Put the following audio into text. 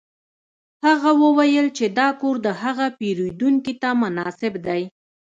هغه وویل چې دا کور د هغه پیرودونکي ته مناسب دی